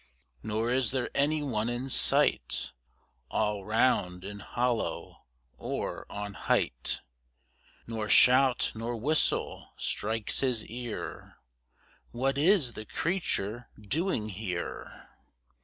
Nor is there anyone in sight, All round, in hollow or on height, Nor shout nor whistle strikes his ear. What is the creature doing here?